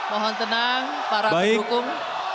mohon tenang para berhukum